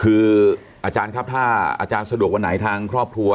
คืออาจารย์ครับถ้าอาจารย์สะดวกวันไหนทางครอบครัว